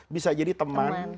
bisa jadi teman